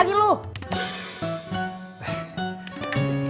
ya udah be